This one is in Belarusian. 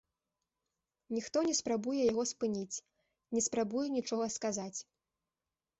Ніхто не спрабуе яго спыніць, не спрабуе нічога сказаць.